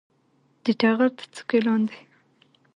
د ټغر د څوکې لاندې